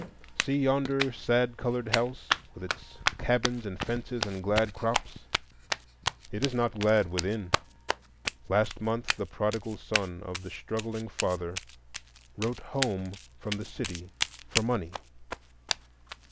See yonder sad colored house, with its cabins and fences and glad crops! It is not glad within; last month the prodigal son of the struggling father wrote home from the city for money.